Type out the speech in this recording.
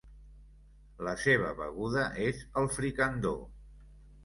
La seva beguda és el fricandó.